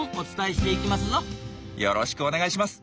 よろしくお願いします。